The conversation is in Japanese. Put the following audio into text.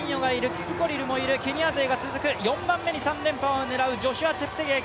キプコリルもいる、ケニア勢が続く４番目に３連覇を狙うジョシュア・チェプテゲイ。